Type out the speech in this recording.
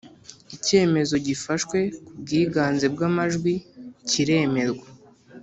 Icyemezo gifashwe ku bwiganze bw’amajwi cyiremerwa